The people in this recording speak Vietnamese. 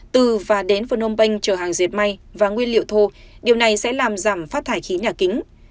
từ và đến phần hôm banh chở hàng diệt may và nguyên liệu thô điều này sẽ làm giảm phát thải khí nhà kính